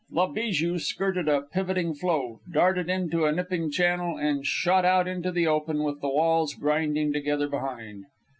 La Bijou skirted a pivoting floe, darted into a nipping channel, and shot out into the open with the walls grinding together behind.